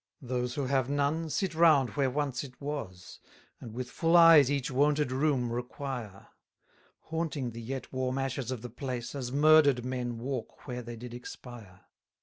256 Those who have none, sit round where once it was, And with full eyes each wonted room require; Haunting the yet warm ashes of the place, As murder'd men walk where they did expire.